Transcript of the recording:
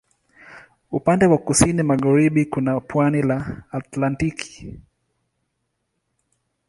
Upande wa kusini magharibi kuna pwani la Atlantiki.